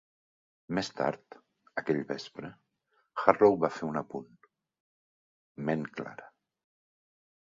Més tard, aquell vespre, Harlow va fer un apunt: ment clara.